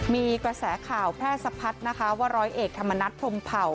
มีกระแสข่าวแพร่สะพัดนะคะว่าร้อยเอกธรรมนัฐพรมเผ่า